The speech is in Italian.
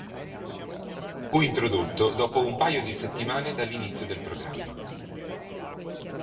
Fu introdotto dopo un paio di settimane dall'inizio del programma.